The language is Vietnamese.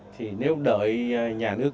thì nếu đợi nhà nước